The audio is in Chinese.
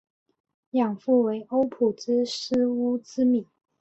养父为欧普之狮乌兹米。